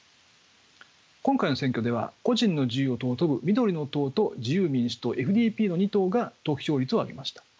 今回の選挙では個人の自由を尊ぶ緑の党と自由民主党の２党が得票率を上げました。